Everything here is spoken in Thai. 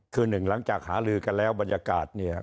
คือหนึ่งหลังจากหาลือกันแล้วบรรยากาศเนี่ย